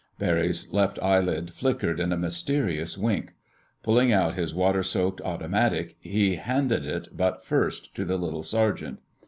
Barry's left eyelid flickered in a mysterious wink. Pulling out his water soaked automatic, he handed it, butt first, to the little sergeant.